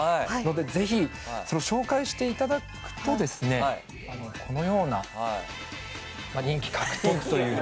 ぜひ、紹介していただくとこのような人気獲得という。